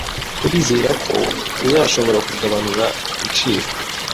Turizera ko uzashobora kugabanura ibiciro